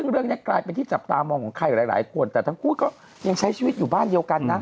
เรื่องนี้กลายเป็นที่จับตามองของใครหลายคนแต่ทั้งคู่ก็ยังใช้ชีวิตอยู่บ้านเดียวกันนะ